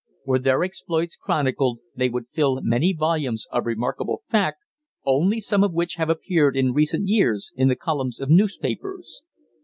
Were their exploits chronicled, they would fill many volumes of remarkable fact, only some of which have appeared in recent years in the columns of the newspapers.